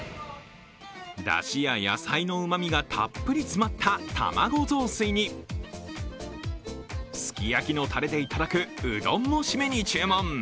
だしや野菜のうまみがたっぷり詰まった卵雑炊にすき焼きのたれでいただくうどんも締めに注文。